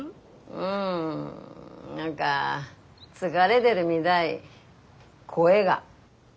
うん何か疲れでるみだい声が。